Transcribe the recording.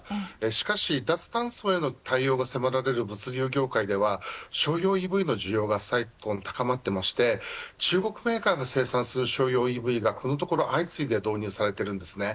しかし脱炭素への対応が迫られる物流業界では商用ＥＶの需要が再度高まっていまして中国メーカーが生産する商用ＥＶがこのところ相次いで導入されています。